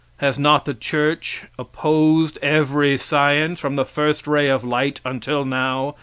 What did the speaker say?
Has not the church opposed every science from the first ray of light until now?